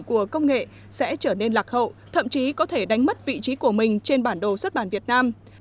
của công nghệ sẽ trở nên lạc hậu thậm chí có thể đánh mất vị trí của mình trên bản đồ xuất bản việt nam